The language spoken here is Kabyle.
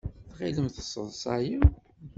Tɣilem tesseḍsayem?